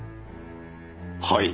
はい。